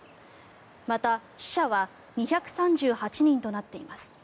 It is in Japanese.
また、死者は２３８人となっています。